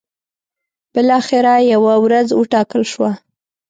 بالاخره یوه ورځ وټاکل شوه.